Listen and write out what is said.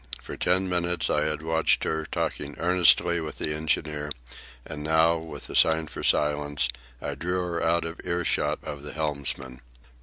For ten minutes I had watched her talking earnestly with the engineer, and now, with a sign for silence, I drew her out of earshot of the helmsman.